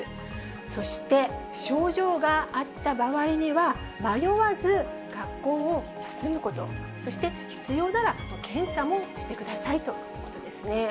そして、症状があった場合には、迷わず学校を休むこと、そして必要なら、検査もしてくださいということですね。